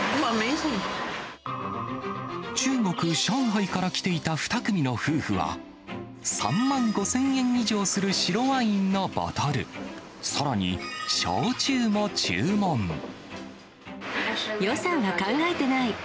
中国・上海から来ていた２組の夫婦は、３万５０００円以上する白ワインのボトル、さらに、予算は考えてない。